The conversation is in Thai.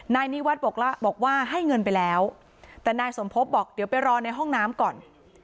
นายนิวัฒน์บอกว่าให้เงินไปแล้วแต่นายสมภพบอกเดี๋ยวไปรอในห้องน้ำก่อน